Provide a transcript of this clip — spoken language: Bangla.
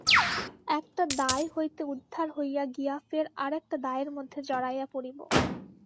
একটা দায় হইতে উদ্ধার হইতে গিয়া ফের আর-একটা দায়ের মধ্যে জড়াইয়া পড়িব।